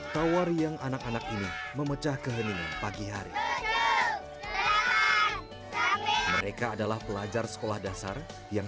tawari yang anak anak ini memecah keheningan pagi hari mereka adalah pelajar sekolah dasar yang